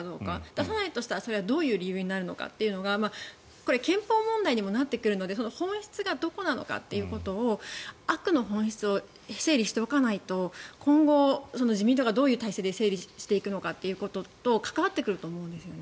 出さないとしたらそれはどういう理由になるのかというのがこれ憲法問題にもなってくるので本質がどこなのかを悪の本質を整理しておかないと今後、自民党がどういう体制で整理していくのかということと関わってくると思うんです。